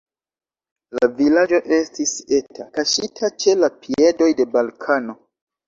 La vilaĝo estis eta, kaŝita ĉe la piedoj de Balkano.